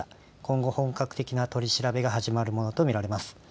今後、本格的な取り調べが始まるものと見られます。